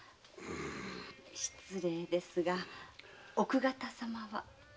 失礼ですが奥方さまは？